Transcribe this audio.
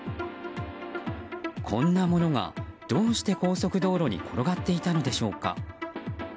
こんなものが、どうして高速道路に転がっていたのでしょうか。